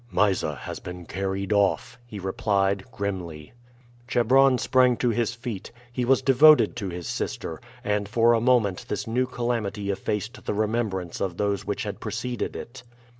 "Mysa has been carried off," he replied grimly. Chebron sprang to his feet. He was devoted to his sister, and for a moment this new calamity effaced the remembrance of those which had preceded it.